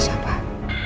boleh aku baca